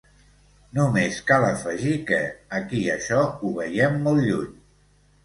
Només cal afegir que aquí això ho veiem molt lluny.